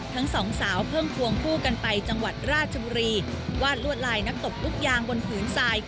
ทั้งสองสาวเพิ่งควงคู่กันไปจังหวัดราชบุรีวาดลวดลายนักตบลูกยางบนผืนทราย